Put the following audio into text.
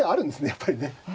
やっぱりね。